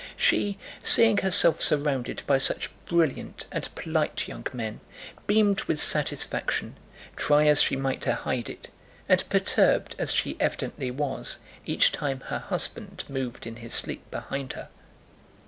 She, seeing herself surrounded by such brilliant and polite young men, beamed with satisfaction, try as she might to hide it, and perturbed as she evidently was each time her husband moved in his sleep behind her.